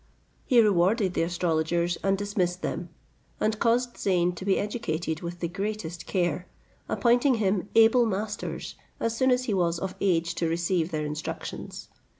He rewarded the astrologers, and dismissed them; and caused Zeyn to be educated with the greatest care, appointing him able masters as soon as he was of age to receive their instructions.